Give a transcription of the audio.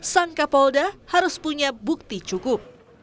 sang kapolda harus punya bukti cukup